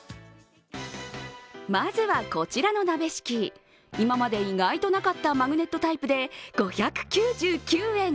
まずはこちらの鍋敷、今まで意外となかったマグネットタイプで５９９円。